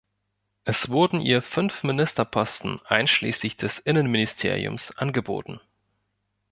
Es wurden ihr fünf Ministerposten einschließlich des Innenministeriums angeboten.